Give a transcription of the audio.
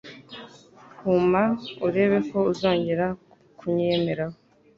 Huma urebeko uzongera kunyiyemeraho